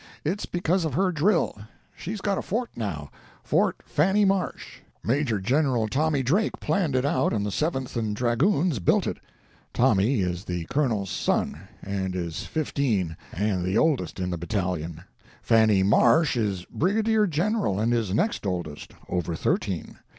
It's because of her drill. She's got a fort, now—Fort Fanny Marsh. Major General Tommy Drake planned it out, and the Seventh and Dragoons built it. Tommy is the Colonel's son, and is fifteen and the oldest in the Battalion; Fanny Marsh is Brigadier General, and is next oldest—over thirteen.